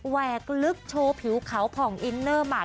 แวกลึกโชว์ผิวเขาผ่องอินเนอร์มาร์